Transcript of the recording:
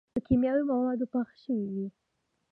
پۀ کيماوي موادو پاخۀ شوي وي